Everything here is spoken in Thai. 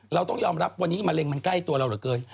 เราต้องยอมรับวันนี้มะเร็งมันใกล้ตัวเราเหลือเกิน